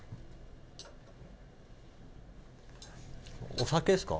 お酒ですか？